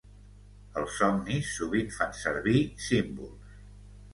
Els somnis sovint fan servir símbols